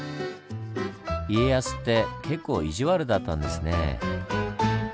家康って結構意地悪だったんですねぇ。